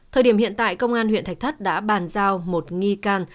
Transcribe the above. thời điểm hiện tại công an huyện thạch thất đã bàn giao một nghi can